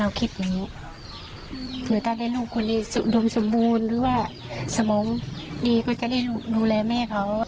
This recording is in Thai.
คิดอย่างนี้คือถ้าได้ลูกคนนี้อุดมสมบูรณ์หรือว่าสมองดีก็จะได้ดูแลแม่เขา